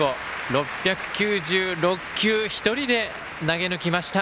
６９６球、一人で投げ抜きました。